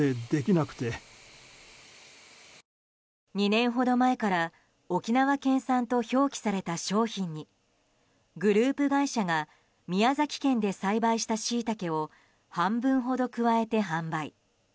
２年ほど前から沖縄県産と表記された商品にグループ会社が宮崎県で栽培したシイタケを半分ほど加えて販売。